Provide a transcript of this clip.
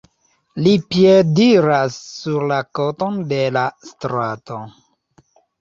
Li piediras sur la koton de la strato.